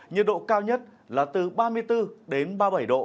nhiệt độ cao nhất là từ ba mươi bốn đến ba mươi bảy độ